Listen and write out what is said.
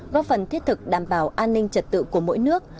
góp phần thiết thực đảm bảo an ninh trật tự của mỗi nước